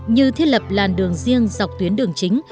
như thiết lập làn đường riêng dọc tuyến đường chính